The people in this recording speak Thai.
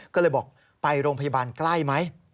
ก็เลยบอกไปโรงพยาบาลใกล้ไหม